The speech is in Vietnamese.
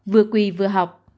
vừa quỳ vừa học